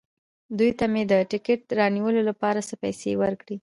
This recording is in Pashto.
دوی ته مې د ټکټ رانیولو لپاره څه پېسې ورکړې.